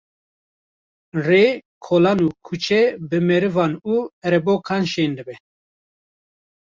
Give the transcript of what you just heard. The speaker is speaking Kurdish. Rê, kolan û kuçe bi merivan û erebokan şên dibe.